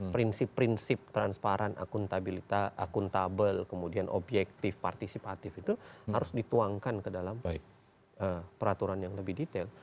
prinsip prinsip transparan akuntabel kemudian objektif partisipatif itu harus dituangkan ke dalam peraturan yang lebih detail